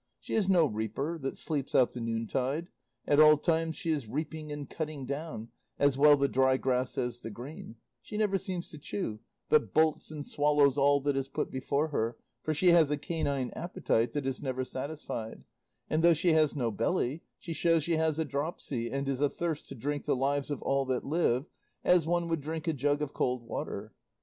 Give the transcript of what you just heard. She is no reaper that sleeps out the noontide; at all times she is reaping and cutting down, as well the dry grass as the green; she never seems to chew, but bolts and swallows all that is put before her, for she has a canine appetite that is never satisfied; and though she has no belly, she shows she has a dropsy and is athirst to drink the lives of all that live, as one would drink a jug of cold water."